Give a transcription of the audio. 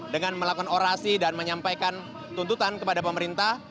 dengan melakukan orasi dan menyampaikan tuntutan kepada pemerintah